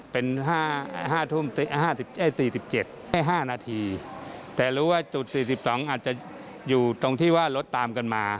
เป็น๔๗๕นาทีแต่รู้ว่าจุด๔๒อาจจะอยู่ตรงที่ว่ารถตามกันมา